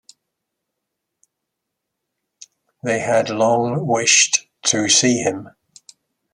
They had long wished to see him.